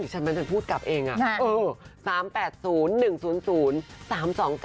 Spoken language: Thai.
๓๐๘๓๘๐เห็นมั้ยฉันพูดกับเองเออ๓๘๐๑๐๐๓๒๙